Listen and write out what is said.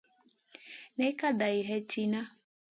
Ney ka dari hay tìhna.